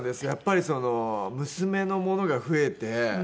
やっぱり娘のものが増えて。